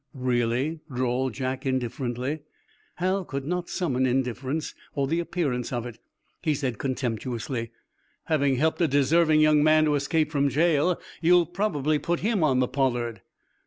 '" "Really?" drawled Jack indifferently. Hal could not summon indifference, or the appearance of it. He said contemptuously: "Having helped a deserving young man to escape from jail, you'll probably put him on the 'Pollard.'"